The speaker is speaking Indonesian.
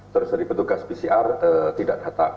terus dari petugas pcr tidak datang